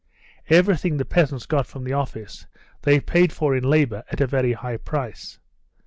Everything the peasants got from the office they paid for in labour at a very high price.